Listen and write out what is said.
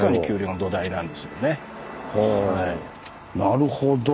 なるほど。